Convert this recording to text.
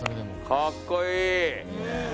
かっこいい！